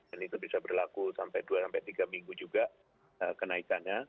dan itu bisa berlaku sampai dua sampai tiga minggu juga kenaikannya